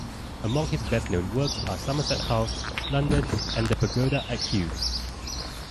Among his best-known works are Somerset House, London, and the pagoda at Kew.